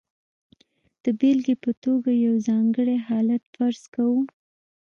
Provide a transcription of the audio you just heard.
د بېلګې په توګه یو ځانګړی حالت فرض کوو.